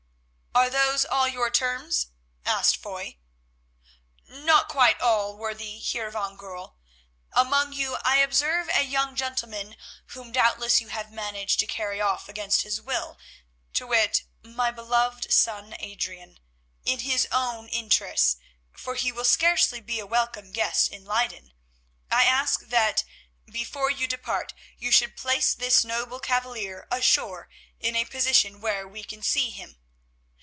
"Are those all your terms?" asked Foy. "Not quite all, worthy Heer van Goorl. Among you I observe a young gentleman whom doubtless you have managed to carry off against his will, to wit, my beloved son, Adrian. In his own interests, for he will scarcely be a welcome guest in Leyden, I ask that, before you depart, you should place this noble cavalier ashore in a position where we can see him.